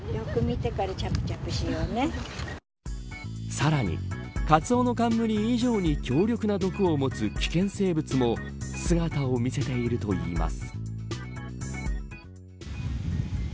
さらにカツオノカンムリ以上に強力な毒を持つ危険生物も姿を見せているといいます。